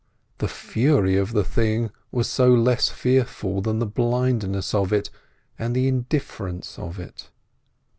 The fury of the thing was less fearful than the blindness of it, and the indifference of it.